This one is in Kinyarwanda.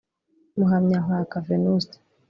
Muhamyankaka Vénuste